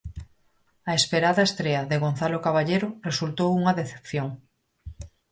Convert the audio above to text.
A esperada estrea de Gonzalo Caballero resultou unha decepción.